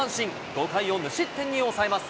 ５回を無失点に抑えます。